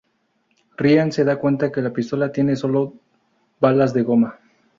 Ryan se da cuenta que la pistola tiene solo Balas de goma.